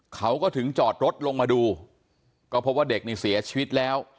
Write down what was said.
เขาก็ถึงจอดรถลงมาดูก็พบว่าเด็กนี่เสียชีวิตแล้ว